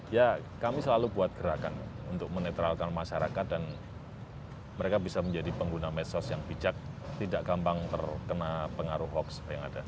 ya kami selalu buat gerakan untuk menetralkan masyarakat dan mereka bisa menjadi pengguna medsos yang bijak tidak gampang terkena pengaruh hoax yang ada